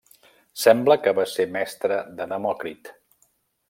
Sembla que va ser mestre de Demòcrit.